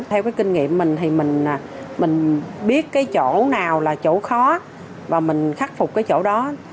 theo kinh nghiệm mình thì mình biết chỗ nào là chỗ khó và mình khắc phục chỗ đó